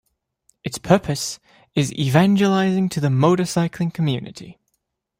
Its purpose is evangelizing to the motorcycling community.